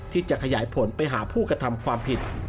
ที่จะขยายผลไปหาผู้กระทำความผิด